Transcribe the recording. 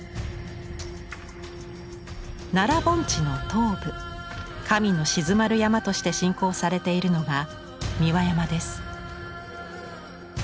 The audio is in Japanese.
奈良盆地の東部神の鎮まる山として信仰されているのが三輪山です。